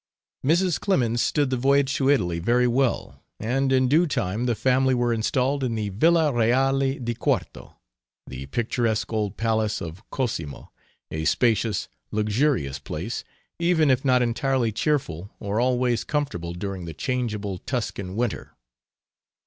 Mrs. Clemens stood the voyage to Italy very well and, in due time, the family were installed in the Villa Reale di Quarto, the picturesque old Palace of Cosimo, a spacious, luxurious place, even if not entirely cheerful or always comfortable during the changeable Tuscan winter.